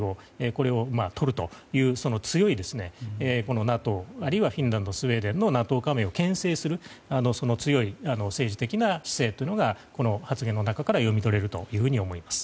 これをとるというフィンランド、スウェーデンのＮＡＴＯ加盟を牽制する強い政治的な姿勢というのがこの発言の中から読み取れると思います。